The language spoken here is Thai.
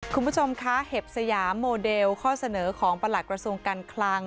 คุณผู้ชมคะเห็บสยามโมเดลข้อเสนอของประหลักกระทรวงการคลัง